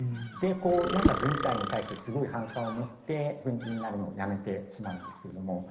でこう何か軍隊に対してすごい反感を持って軍人になるのをやめてしまうんですけれども。